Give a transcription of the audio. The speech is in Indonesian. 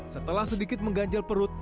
setelah sedikit mengganjal perut